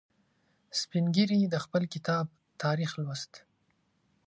سپین ږیری د خپل کتاب تاریخ لوست.